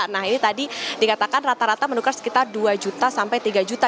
nah ini tadi dikatakan rata rata menukar sekitar dua juta sampai tiga juta